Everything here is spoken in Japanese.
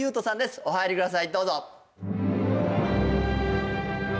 おかけください。